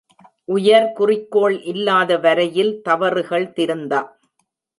உயர் குறிக்கோள் இல்லாத வரையில் தவறுகள் திருந்தா.